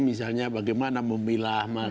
misalnya bagaimana memilah